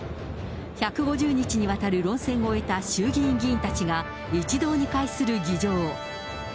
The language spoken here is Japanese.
１５０日にわたる論戦を終えた衆議院議員たちが、一堂に会する議場。